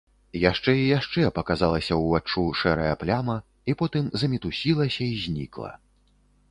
Яшчэ і яшчэ паказалася ўваччу шэрая пляма і потым замітусілася і знікла.